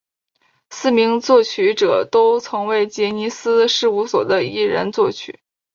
四名作曲者都曾为杰尼斯事务所的艺人作曲。